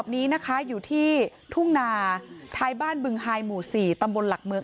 นี้นะคะอยู่ที่ทุ่งนาท้ายบ้านบึงไฮหมู่๔ตำบลหลักเมือง